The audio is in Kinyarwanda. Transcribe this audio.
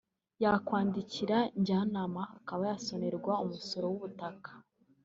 yakwandikira njyanama akaba yasonerwa umusoro w’ubutaka